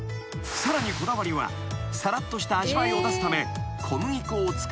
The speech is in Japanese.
［さらにこだわりはさらっとした味わいを出すため］